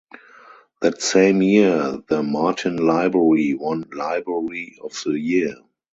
That same year the Martin Library won Library of the Year.